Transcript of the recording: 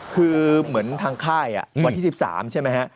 คือเหมือนทางค่ายวันที่๑๓ใช่ไหมฮะ